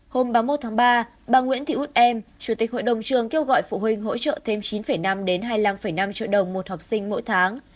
hôm ba mươi một tháng ba bà nguyễn thị út em chủ tịch hội đồng trường kêu gọi phụ huynh hỗ trợ thêm chín năm đến hai mươi năm năm triệu đồng một học sinh mỗi tháng